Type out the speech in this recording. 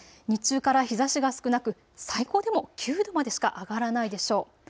日中から日ざしが少なく最高でも９度までしか上がらないでしょう。